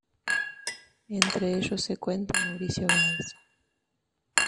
Entre ellos se cuenta a Mauricio Báez.